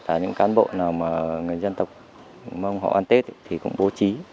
và những cán bộ nào mà người dân tộc người mông họ ăn tết thì cũng bố trí